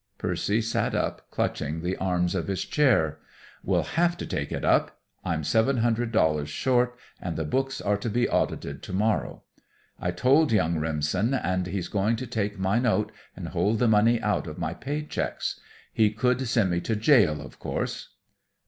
Percy sat up, clutching the arms of his chair. "We'll have to take it up. I'm seven hundred dollars short, and the books are to be audited to morrow. I told young Remsen and he's going to take my note and hold the money out of my pay checks. He could send me to jail, of course."